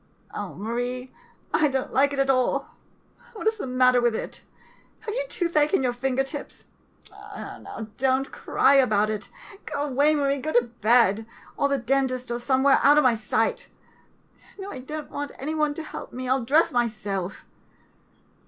] Oh, Marie, I don't like it at all. What is the matter with it? Have you toothache in your finger tips? Now don't cry about it. Go away, Marie, go to bed, or to the den tist, or somewhere out of my sight. No, I don't want any one to help me, I '11 dress myself.